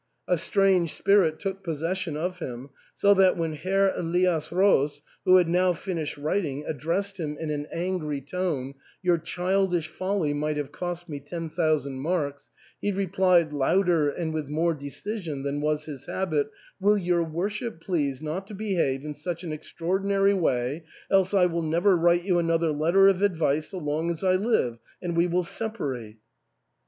A strange spirit took possession of him ; so that, when Herr Elias Roos, who had now finished writing, ad dressed him in an angry tone, Your childish folly might have cost me ten thousand marks," he replied louder and with more decision than was his habit, " Will your worship please not to behave in such an extraordinary way, else I will never write you another letter of advice so long as I live, and we will separate.